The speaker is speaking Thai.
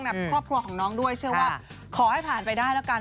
ครอบครัวของน้องด้วยเชื่อว่าขอให้ผ่านไปได้แล้วกัน